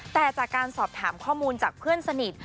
แต่จากการสอบถามข้อมูลจากเพื่อนสนิท